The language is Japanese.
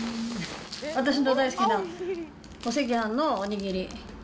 私の大好きなお赤飯のお握り。